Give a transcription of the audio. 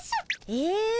え？